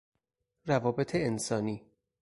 روابط انسانی